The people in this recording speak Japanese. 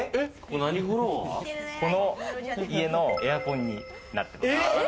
この家のエアコンになってます。